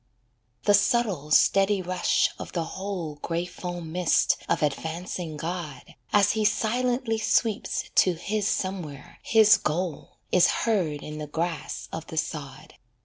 The subtle, steady rush of the whole Grey foam mist of advancing God, As He silently sweeps to His somewhere, his goal, Is heard in the grass of the sod.